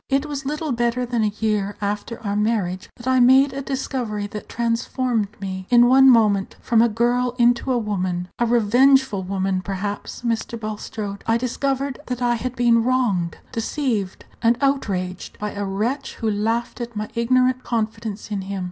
It was little better than a year after our marriage that I made a discovery that transformed me in one moment from a girl into a woman a revengeful woman, perhaps, Mr. Bulstrode. I discovered that I had been wronged, deceived, and outraged by a wretch who laughed at my ignorant confidence in him.